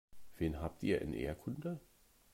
Wen habt ihr in Erdkunde?